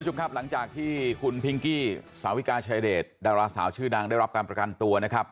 คุณผู้ชมครับหลังจากที่คุณพิงกี้สาวิกาชายเดชดาราสาวชื่อดังได้รับการประกันตัวนะครับ